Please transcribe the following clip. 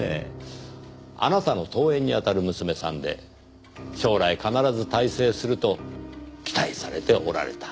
あなたの遠縁にあたる娘さんで将来必ず大成すると期待されておられた。